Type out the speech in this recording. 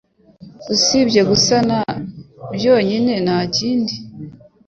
usibye gusana byonyine ntakindi